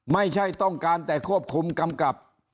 ไม่ใช่ต้องการแต่ควบคุมกำกับ